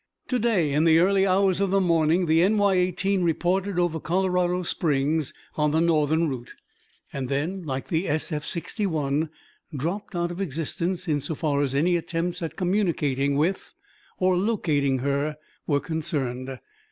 To day, in the early hours of the morning, the NY 18 reported over Colorado Springs, on the northern route, and then, like the SF 61, dropped out of existence insofar as any attempts at communicating with or locating her were concerned.